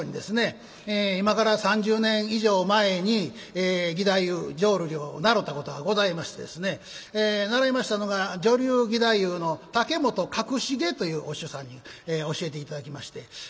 今から３０年以上前に義太夫浄瑠璃を習うたことがございましてですね習いましたのが女流義太夫の竹本角重というお師匠さんに教えて頂きまして。